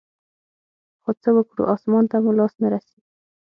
خو څه وكړو اسمان ته مو لاس نه رسي.